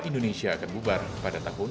indonesia akan bubar pada tahun dua ribu dua puluh